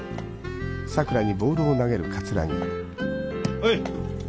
おい。